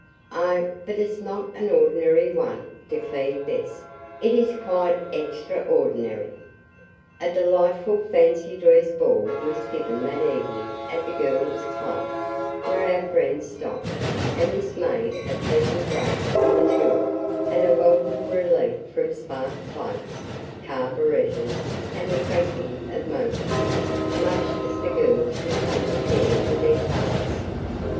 "Oh, but it's not an ordinary one," declared Bess. "It is quite extraordinary." A delightful fancy dress ball was given that evening at the girls' club, where our friends stopped, and this made a pleasant break in the tour and a welcome relief from spark plugs, carburetors and the cranking of motors, much as the girls had come to care for their cars.